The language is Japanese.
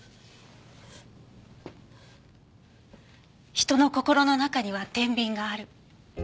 人の心の中には天秤がある。